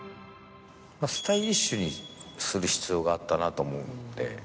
スタイリッシュにする必要があったなと思うんで。